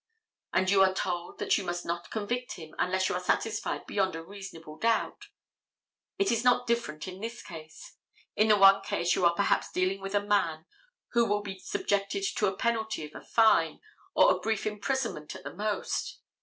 And you are told that you must not convict him unless you are satisfied beyond a reasonable doubt. It is not different in this case. In the one case you are perhaps dealing with a man who will be subjected to a penalty of a fine, or a brief imprisonment at the most.